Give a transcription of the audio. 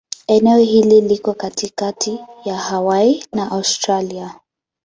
Eneo hili liko katikati ya Hawaii na Australia.